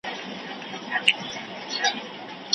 دوې هیلۍ وي له خپل سېله بېلېدلې